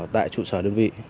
tại trụ sở đơn vị